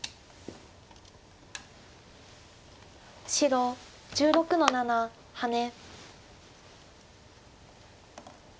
白１６の七ハネ。